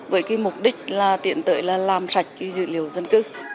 với mục đích tiện tợi làm sạch dữ liệu dân cư